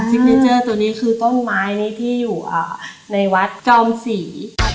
สิกเนจัอตัวนี้คือต้นไม้ที่อยู่ในวัดจอมศรี